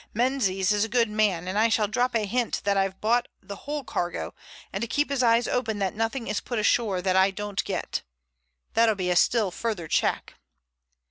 Menzies is a good man, and I shall drop a hint that I've bought the whole cargo, and to keep his eyes open that nothing is put ashore that I don't get. That'll be a still further check."